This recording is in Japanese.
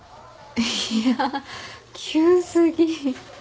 いや急過ぎ。